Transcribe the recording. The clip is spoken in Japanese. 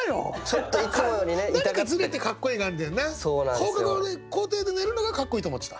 放課後の校庭で寝るのがかっこいいと思ってた？